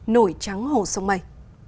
nổi trắng hồ sông mây